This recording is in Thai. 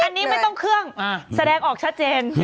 อันนี้ไม่ต้องเครื่องแสดงออกชัดเจน